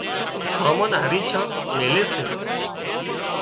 سامان هريڇان ميلي سي